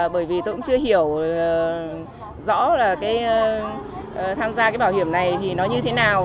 tôi cũng chưa tham gia cái bảo hiểm nhưng mà bởi vì tôi cũng chưa hiểu rõ là tham gia cái bảo hiểm này thì nó như thế nào